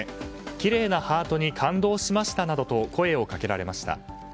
きれいなハートに感動しましたなどと声をかけられました。